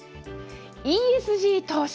ＥＳＧ投資。